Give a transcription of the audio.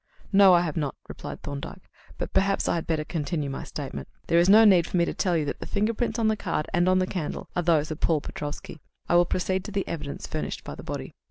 "No, I have not," replied Thorndyke. "But perhaps I had better continue my statement. There is no need for me to tell you that the fingerprints on the card and on the candle are those of Paul Petrofsky; I will proceed to the evidence furnished by the body.